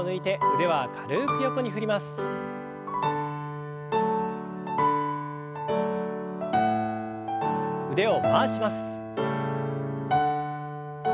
腕を回します。